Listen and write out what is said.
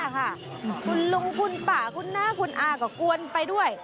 คุณลุงคุณป่าคุณน้าคุณอาก็กวนไปด้วย